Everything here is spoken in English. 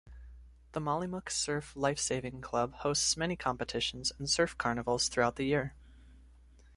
The Mollymook Surf Lifesaving Club hosts many competitions and surf carnivals throughout the year.